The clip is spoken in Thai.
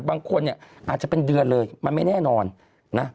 บางคนเนี่ยอาจจะเป็นเดือนเลยมันไม่แน่นอนนะ